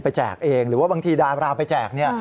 แจกเองหรือว่าบางทีดาราไปแจกเนี่ย